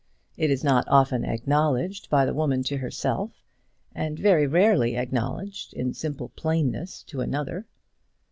It is not often acknowledged by the woman to herself, and very rarely acknowledged in simple plainness to another.